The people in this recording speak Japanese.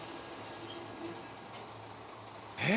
「えっ！？」